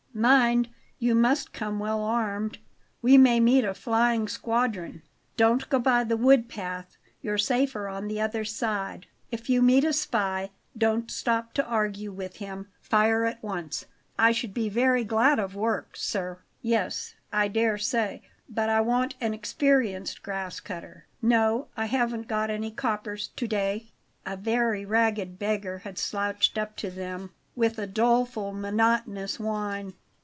Mind, you must come well armed; we may meet a flying squadron. Don't go by the wood path; you're safer on the other side. If you meet a spy, don't stop to argue with him; fire at once I should be very glad of work, sir." "Yes, I dare say, but I want an experienced grass cutter. No, I haven't got any coppers to day." A very ragged beggar had slouched up to them, with a doleful, monotonous whine.